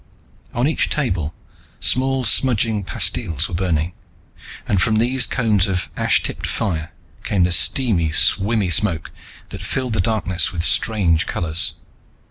On each table, small smudging pastilles were burning, and from these cones of ash tipped fire came the steamy, swimmy smoke that filled the darkness with strange colors.